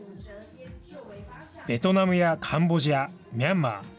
ベトナムやカンボジア、ミャンマー。